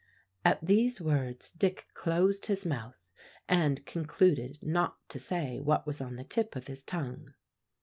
At these words Dick closed his mouth, and concluded not to say what was on the tip of his tongue.